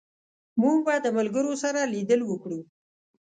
موږ به د ملګرو سره لیدل وکړو